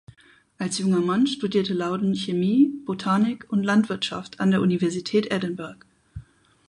Als junger Mann studierte Loudon Chemie, Botanik und Landwirtschaft an der Universität Edinburgh.